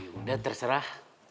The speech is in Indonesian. ya udah terserah